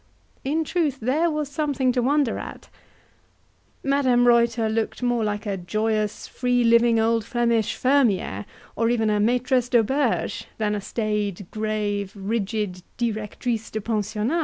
In truth there was something to wonder at. Madame Reuter looked more like a joyous, free living old Flemish fermiere, or even a maitresse d'auberge, than a staid, grave, rigid directrice de pensionnat.